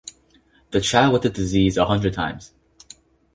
the child with the disease a hundred times